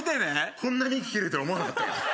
こんなに息切れると思わなかったよ